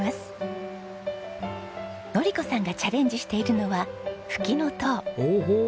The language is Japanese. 典子さんがチャレンジしているのはフキノトウ。